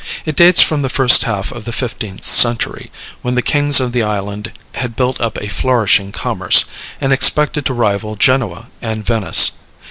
It dates from the first half of the fifteenth century, when the kings of the island had built up a flourishing commerce, and expected to rival Genoa and Venice.